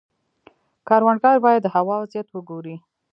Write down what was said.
کروندګر باید د هوا وضعیت وګوري.